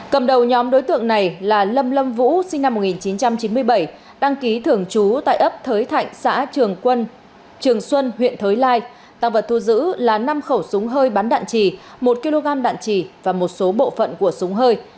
cầm đầu nhóm đối tượng này là lâm lâm vũ sinh năm một nghìn chín trăm chín mươi bảy đăng ký thường trú tại ấp thới thạnh xã trường xuân huyện thới lai tăng vật thu giữ là năm khẩu súng hơi bắn đạn trì một kg đạn trì và một số bộ phận của súng hơi